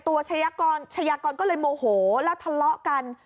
ชายากรก็เลยโมโหแล้วทะเลาะกัน